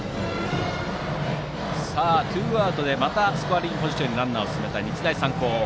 ツーアウトでまたスコアリングポジションにランナーを進めた日大三高。